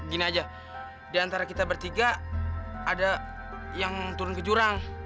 gini aja diantara kita bertiga ada yang turun ke jurang